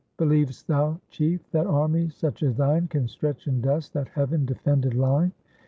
Believ'st thou, chief, that armies such as thine Can stretch in dust that heaven defended line?